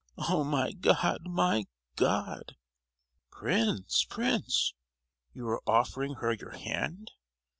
——Oh, my God! my God!" "Prince, Prince! you are offering her your hand.